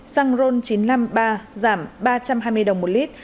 xăng ron chín trăm năm mươi ba giảm ba trăm hai mươi đồng một lít